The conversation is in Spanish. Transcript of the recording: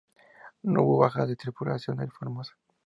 No hubo bajas de la tripulación del "Formosa".